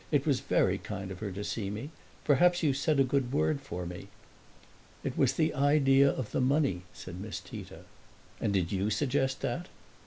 It was very kind of her to see me. Perhaps you said a good word for me." "It was the idea of the money," said Miss Tita. "And did you suggest that?"